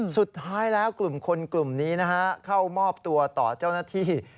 สุดท้ายแล้วกลุ่มคนกลุ่มนี้นะฮะเข้ามอบตัวต่อเจ้าหน้าที่